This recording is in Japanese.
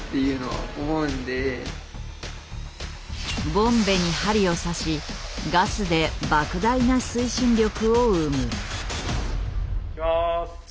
ボンベに針を刺しガスでばく大な推進力を生む。